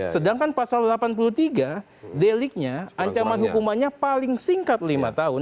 sedangkan pasal delapan puluh tiga deliknya ancaman hukumannya paling singkat lima tahun